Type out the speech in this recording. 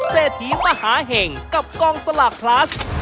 เศรษฐีมหาเห็งกับกองสลากพลัส